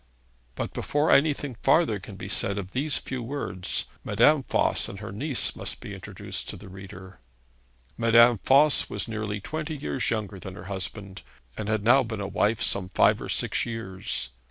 But before anything farther can be said of these few words, Madame Voss and her niece must be introduced to the reader. Madame Voss was nearly twenty years younger than her husband, and had now been a wife some five or six years.